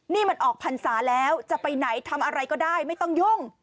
นี่มันออกพรรษาแล้วจะไปไหนทำอะไรก็ได้ไม่ต้องยุ่ง